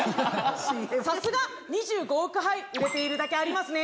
さすが２５億杯売れているだけありますね